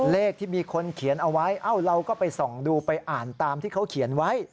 เลขที่มีคนเขียนเอาไว้เอ้าเราก็ไปส่องดูไปอ่านตามที่เขาเขียนไว้